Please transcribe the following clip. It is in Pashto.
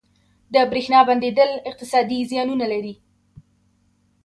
• د برېښنا بندیدل اقتصادي زیانونه لري.